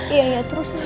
iya iya terus